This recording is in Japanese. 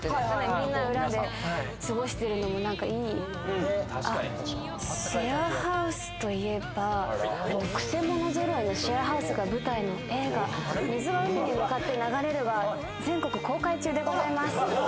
みんな裏で過ごしてるのもなんかいいあっ曲者ぞろいのシェアハウスが舞台の映画「水は海に向かって流れる」は全国公開中でございます